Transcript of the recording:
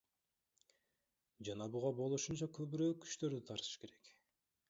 Жана буга болушунча көбүрөөк күчтөрдү тартыш керек.